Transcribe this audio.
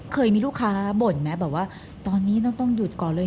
เคยมีลูกค้าบ่นไหมบอกว่าตอนนี้ต้องหยุดก่อนเลย